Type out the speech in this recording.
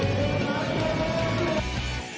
เกษมบัณฑิษฐ์ไป๖ประตูตัวหนึ่ง